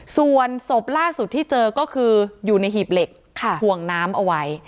ส่วนศพล่าสุดที่เจอก็คืออยู่ในหีบเหล็กห่วงน้ำเอาไว้